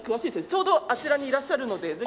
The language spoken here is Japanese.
ちょうどあちらにいらっしゃるのでぜひ。